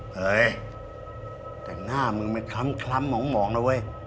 เฮ้ยแต่หน้ามึงไหมคำของหมัวนะเว่ย